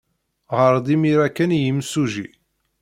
Ɣer-d imir-a kan i yimsujji.